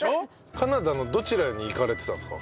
カナダのどちらに行かれてたんですか？